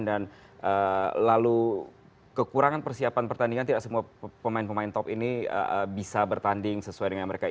dan lalu kekurangan persiapan pertandingan tidak semua pemain pemain top ini bisa bertanding sesuai dengan mereka